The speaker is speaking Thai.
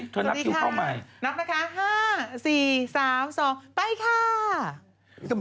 สวัสดีค่ะนับนะคะ๕๔๓๒ไปค่า